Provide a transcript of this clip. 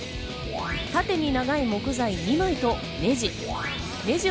縦に長い木材２枚とネジ。